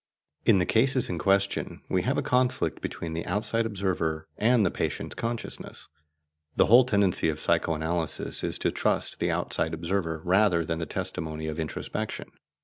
In the cases in question we have a conflict between the outside observer and the patient's consciousness. The whole tendency of psycho analysis is to trust the outside observer rather than the testimony of introspection.